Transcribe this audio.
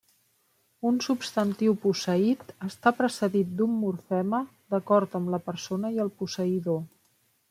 Un substantiu posseït està precedit d'un morfema d'acord amb la persona i el posseïdor.